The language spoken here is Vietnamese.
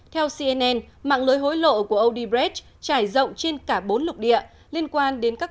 theo cnn mạng lưới hối lộ của odebrecht trải rộng trên cả bốn lục địa